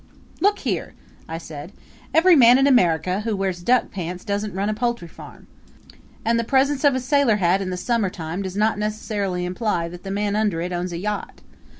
"Look here!" I said. "Every man in America who wears duck pants doesn't run a poultry farm. And the presence of a sailor hat in the summertime does not necessarily imply that the man under it owns a yacht.